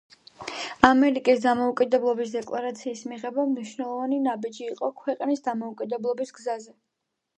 ამერიკის დამოუკიდებლობის დეკლარაციის მიღება მნიშვნელოვანი ნაბიჯი იყო ქვეყნის დამოუკიდებლობის გზაზე